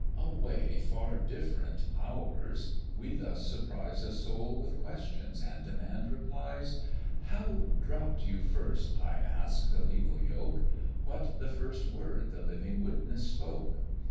"A way far different ours we thus surprise A soul with questions, and demand replies: 'How dropp'd you first,' I ask, 'the legal Yoke? What the first word the living Witness spoke?